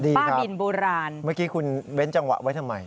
ดีครับบ้านบิลโบราณคุณเว้นจังหวะไว้ทำไม